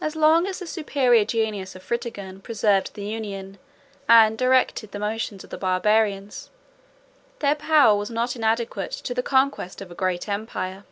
As long as the superior genius of Fritigern preserved the union, and directed the motions of the Barbarians, their power was not inadequate to the conquest of a great empire.